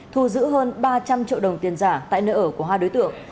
thu giữ hơn ba trăm linh triệu đồng tiền giả tại nơi ở của hai đối tượng